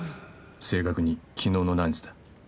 正確に昨日の何時だ？